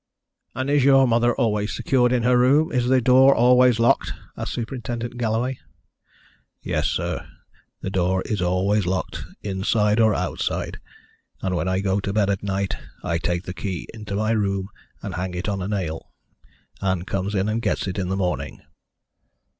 "And is your mother always secured in her room is the door always locked?" asked Superintendent Galloway. "Yes, sir: the door is always locked inside or outside, and when I go to bed at night I take the key into my room and hang it on a nail. Ann comes in and gets it in the morning."